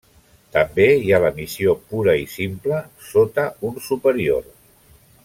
També hi ha la missió pura i simple, sota un superior.